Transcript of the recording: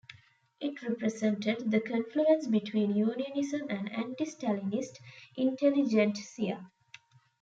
It represented the confluence between unionism and anti-Stalinist intelligentsia.